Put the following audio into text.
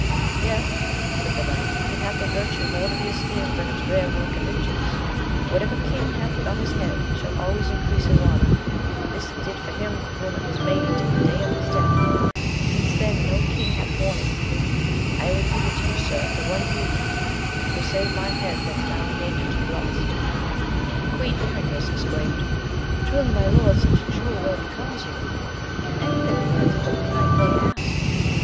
Yet, said the knight, it hath a virtue more to be esteemed than its rare work and richness ; whatever king hath it on his head, shall always increase his honour ; this it did for him for whom it was made till the day of his death, since then no king hath worn it : I wiU give it you, sir, for one boon, which will save my head that is now in danger to be lost. The queen hearing this, exclaimed, Trul}^, my lord, such a jewel well becomes you : give any thing for it that the knight may ask.